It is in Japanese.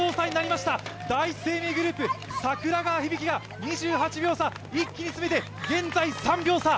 第一生命グループ、櫻川響晶が２８秒差、一気に詰めて、現在３秒差！